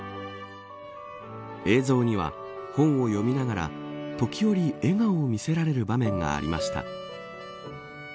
映像には、本を読みながら時折笑顔を見せられる場面がありました。